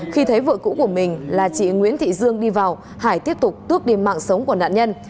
khi thấy vợ cũ của mình là chị nguyễn thị dương đi vào hải tiếp tục tước đi mạng sống của nạn nhân